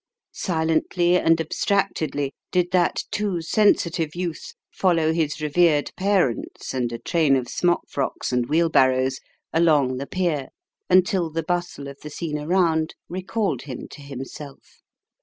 Silently and abstractedly, did that too sensitive youth follow his revered parents, and a train of smock frocks and wheelbarrows, along the pier, until the bustle of the scene around, recalled him to himself.